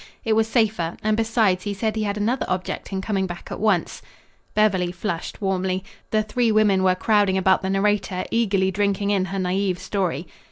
It was safer, and besides, he said he had another object in coming back at once." Beverly flushed warmly. The three women were crowding about the narrator, eagerly drinking in her naive story.